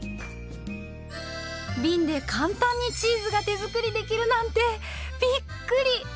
びんで簡単にチーズが手作りできるなんてびっくり！